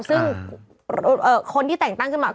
ซึ่งคนที่แต่งตั้งขึ้นมา